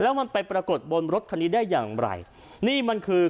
แล้วมันไปปรากฏบนรถคันนี้ได้อย่างไรนี่มันคือ